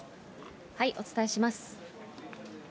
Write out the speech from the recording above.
お伝えします。